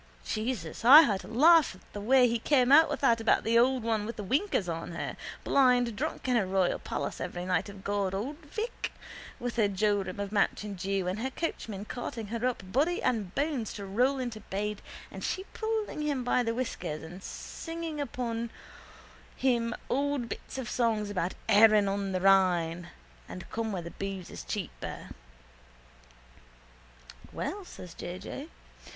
Jesus, I had to laugh at the way he came out with that about the old one with the winkers on her, blind drunk in her royal palace every night of God, old Vic, with her jorum of mountain dew and her coachman carting her up body and bones to roll into bed and she pulling him by the whiskers and singing him old bits of songs about Ehren on the Rhine and come where the boose is cheaper. —Well, says J. J.